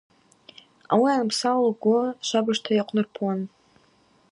Ауи анпса лгвы швабыжта йакъвнарпуан.